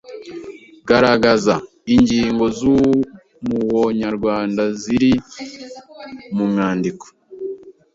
Garagaza ingingo z’umuo nyarwanda ziri mu mwandiko